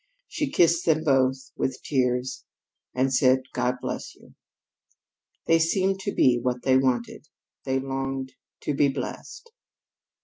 She kissed them both, with tears, and said: "God bless you." That seemed to be what they wanted. They longed to be blessed.